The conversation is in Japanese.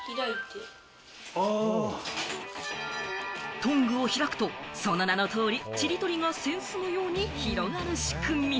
トングを開くと、その名の通り、塵取りが扇子のように広がる仕組み。